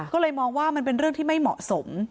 ก็เลยมองว่ามันเป็นเรื่องที่ไม่เหมาะสม